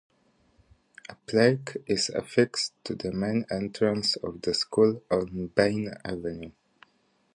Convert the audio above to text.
A plaque is affixed to the main entrance of the school on Bain Avenue.